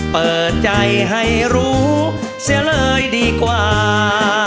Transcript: เปิดใจให้รู้เสียเลยดีกว่า